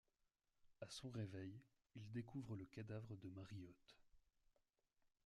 À son réveil, il découvre le cadavre de Marriott.